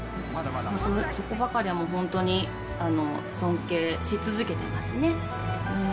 そこばかりはもう本当に、尊敬し続けてますね。